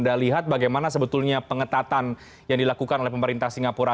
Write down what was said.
anda lihat bagaimana sebetulnya pengetatan yang dilakukan oleh pemerintah singapura